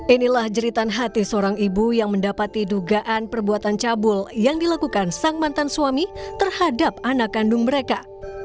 inilah jeritan hati seorang ibu yang mendapati dugaan perbuatan cabul yang dilakukan sang mantan suami terhadap anak kandung mereka